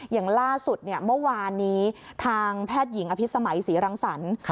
อย่างล่าสุดเมื่อวานนี้ทางแพทย์หญิงอภิษมัยศรีรังสรรค์